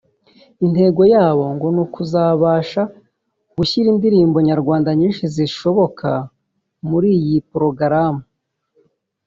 Intego yabo ngo ni ukuzabasha gushyira indirimbo nyarwanda nyinshi zishoboka muri iyi porogaramu